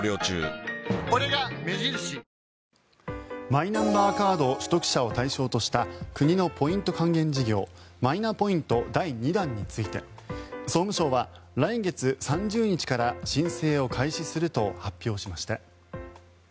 マイナンバーカード取得者を対象とした国のポイント還元事業マイナポイント第２弾について総務省は来月３０日から申請を開始すると発表しました。